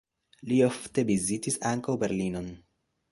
Li ofte vizitis ankaŭ Berlinon.